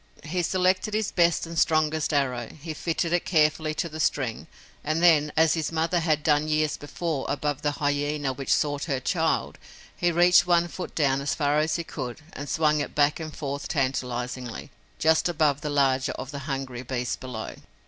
He selected his best and strongest arrow, he fitted it carefully to the string and then, as his mother had done years before above the hyena which sought her child, he reached one foot down as far as he could, and swung it back and forth tantalizingly, just above the larger of the hungry beasts below.